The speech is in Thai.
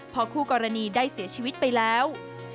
พอคู่กรณีได้เสียชีวิตไปแล้ว